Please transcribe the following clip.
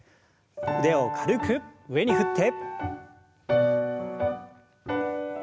腕を軽く上に振って。